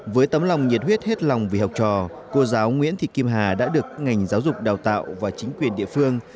với tấm lòng nhiệt huyết hết lòng vì học trò cô giáo nguyễn thị kim hà đã được ngành giáo dục đào tạo và chính quyền địa phương